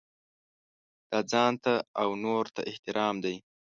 دا ځانته او نورو ته احترام دی.